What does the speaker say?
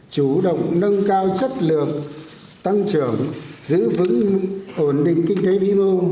chủ động nâng cao chất lượng tăng trưởng giữ vững ổn định kinh tế vĩ mô